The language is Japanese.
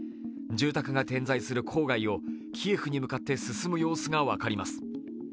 住宅が点在する郊外をキエフに向って進む様子が分かります。